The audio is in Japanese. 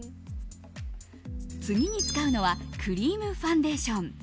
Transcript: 次に使うのはクリームファンデーション。